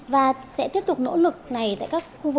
và sẽ tiếp tục nỗ lực này tại các khu vực